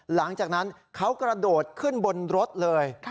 หลังจากนั้นเขากระโดดขึ้นบนรถเลย